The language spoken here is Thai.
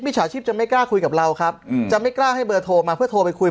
ฉาชีพจะไม่กล้าคุยกับเราครับจะไม่กล้าให้เบอร์โทรมาเพื่อโทรไปคุย